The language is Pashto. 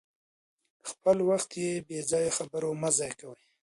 خپل وخت په بې ځایه خبرو مه ضایع کوئ.